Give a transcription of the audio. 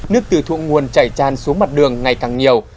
nước từ thụ nguồn chảy chan xuống mặt đường ngày càng nhiều